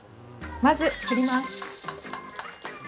まず振りまーす。